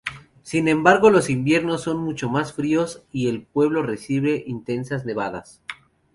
Sin embargo, los inviernos son mucho más fríos y el pueblo recibe intensas nevadas.